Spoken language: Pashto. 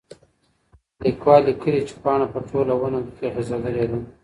لیکوال لیکلي چې پاڼه په ټوله ونه کې غځېدلې ده.